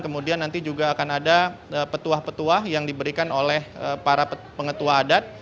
kemudian nanti juga akan ada petuah petuah yang diberikan oleh para pengetua adat